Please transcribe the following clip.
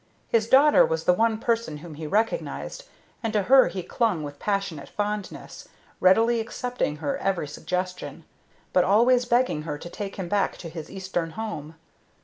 His daughter was the one person whom he recognized, and to her he clung with passionate fondness, readily accepting her every suggestion, but always begging her to take him back to his Eastern home.